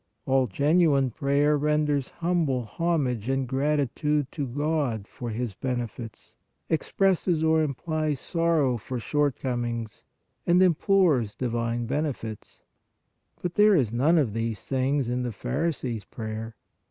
All genuine prayer renders humble homage and gratitude to God for His benefits, expresses or implies sorrow for shortcomings, and implores iii vine benefits; but there is none of these things in the pharisee s prayer.